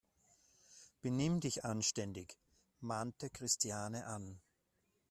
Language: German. Benimm dich anständig!, mahnte Christiane an.